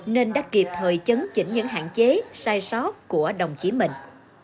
nên đã kịp thời chấn chỉnh những hạn chế sai sót của đồng chí mình